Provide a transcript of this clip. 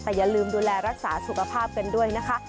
แต่อย่าลืมดูแลรักษาสุขภาพกันด้วยนะคะ